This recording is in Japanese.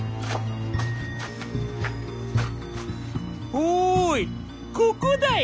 おいここだよ。